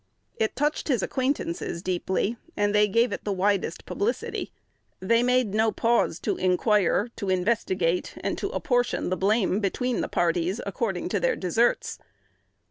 It touched his acquaintances deeply, and they gave it the widest publicity. They made no pause to inquire, to investigate, and to apportion the blame between the parties, according to their deserts.